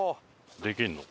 できんの？